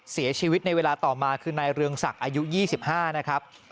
เสียชีวิตในเวลาต่อมาคือนายเรืองศักดิ์อายุ๒๕นะครับ